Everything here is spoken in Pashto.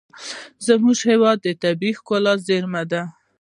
زموږ هېواد د طبیعي ښکلا خزانه ده.